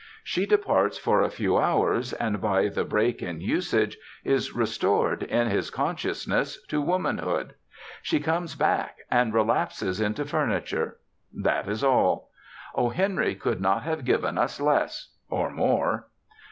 She departs for a few hours, and, by the break in usage, is restored, in his consciousness, to womanhood. She comes back, and relapses into furniture. That is all. O. Henry could not have given us less or more.